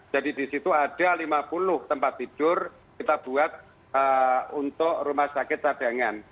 jadi di situ ada lima puluh tempat tidur kita buat untuk rumah sakit cadangan